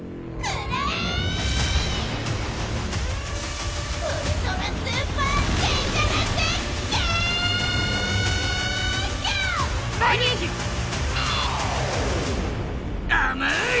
あまい！